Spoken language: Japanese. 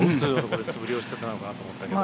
素振りをしてたのかなって思ってたけど。